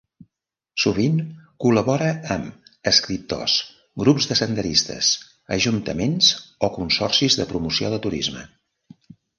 Sovint col·labora amb escriptors, grups de senderistes, ajuntaments o consorcis de promoció de turisme.